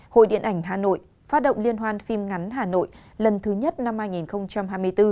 hội điện ảnh hà nội phát động liên hoan phim ngắn hà nội lần thứ nhất năm hai nghìn hai mươi bốn